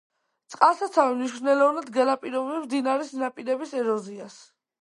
წყალსაცავი მნიშვნელოვნად განაპირობებს მდინარის ნაპირების ეროზიას.